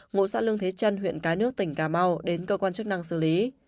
ngụ xã lương thế trân huyện cái nước tỉnh cà mau đến cơ quan chức năng xử lý